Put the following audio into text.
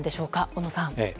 小野さん。